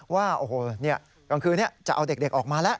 ว่าโอ้โฮนี่ตอนคืนจะเอาเด็กออกมาแล้ว